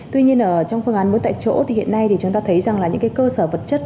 tuy nhiên trong phương án mỗi tại chỗ thì hiện nay chúng ta thấy rằng là những cơ sở vật chất